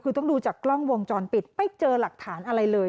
คือต้องดูจากกล้องวงจรปิดไม่เจอหลักฐานอะไรเลย